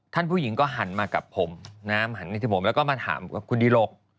ท่านผู้หญิงก็หันมากับผมแล้วก็มาถามกับคุณดิหลก